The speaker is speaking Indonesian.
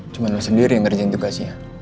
cuma lo sendiri yang ngerjain tugasnya